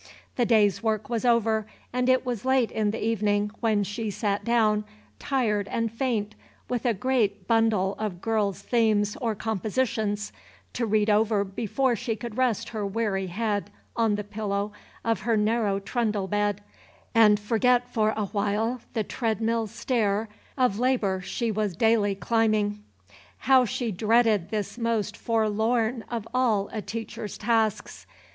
The day's work was over, and it was late in the evening, when she sat down, tired and faint, with a great bundle of girls' themes or compositions to read over before she could rest her weary head on the pillow of her narrow trundle bed, and forget for a while the treadmill stair of labor she was daily climbing. How she dreaded this most forlorn of all a teacher's tasks!